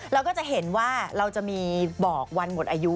เราก็จะเห็นว่าเราจะมีบอกวันหมดอายุ